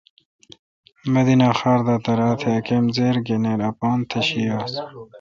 مدینہ خار دا درا۔ تہ ا کمزِر گنیراے اپان تہ شی آس۔